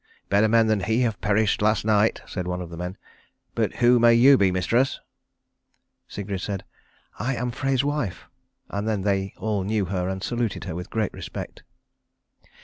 "Better men than he have perished last night," said one of the men. "But who may you be, mistress?" Sigrid said, "I am Frey's wife." And then they all knew her and saluted her with great respect.